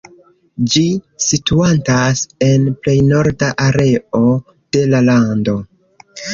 Ĝi situantas en plej norda areo de la lando.